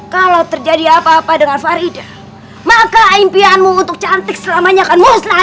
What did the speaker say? kalau terjadi apa apa dengan farida maka impianmu untuk cantik selamanya kan musnah